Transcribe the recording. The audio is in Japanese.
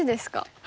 はい。